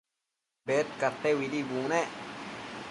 Bedcadteuidi bunec